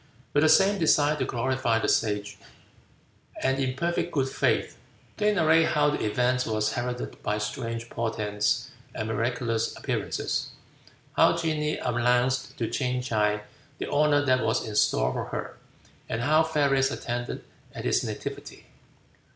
With the same desire to glorify the Sage, and in perfect good faith, they narrate how the event was heralded by strange portents and miraculous appearances, how genii announced to Ching tsai the honor that was in store for her, and how fairies attended at his nativity.